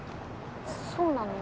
そうなの？